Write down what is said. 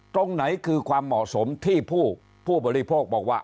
ตรงไหนคือความเหมาะสมที่ผู้บริโภคบอกว่า